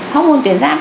hormôn tuyến giáp